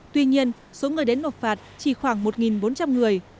tuy nhiên số người đến nộp phạt chỉ khoảng một bốn trăm linh người